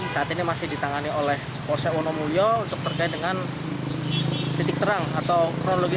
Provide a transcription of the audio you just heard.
saat ini masih ditangani oleh polsek wonomulyo untuk terkait dengan titik terang atau kronologi